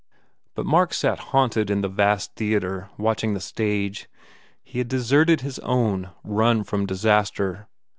But Mark sat haunted in the vast theatre, watching the stage. He had deserted his own, run from disaster.